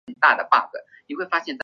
就真的吓到了